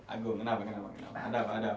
aduh kenapa kenapa kenapa ada apa ada apa